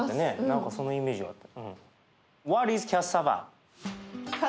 何かそのイメージがあった。